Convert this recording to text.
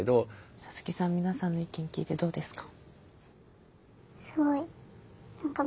サツキさん皆さんの意見を聞いてどうですか？